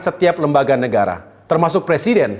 setiap lembaga negara termasuk presiden